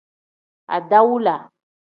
Adawula.